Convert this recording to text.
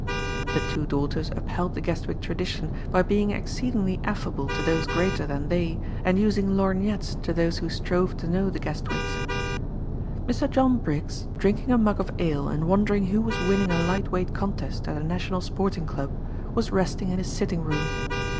The two daughters upheld the Guestwick tradition by being exceedingly affable to those greater than they and using lorgnettes to those who strove to know the Guestwicks. Mr. John Briggs, drinking a mug of ale and wondering who was winning a light weight contest at the National Sporting Club, was resting in his sitting room.